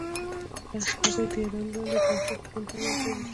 هغوی د یادونه لاندې د راتلونکي خوبونه یوځای هم وویشل.